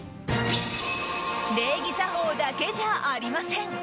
礼儀作法だけじゃありません。